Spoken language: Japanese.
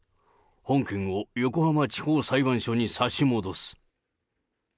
本件を横浜地方裁判所に差し戻す。